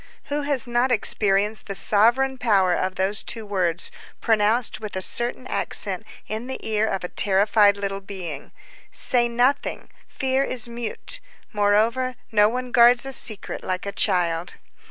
Who has not experienced the sovereign power of those two words, pronounced with a certain accent in the ear of a terrified little being: _Say nothing! _ Fear is mute. Moreover, no one guards a secret like a child.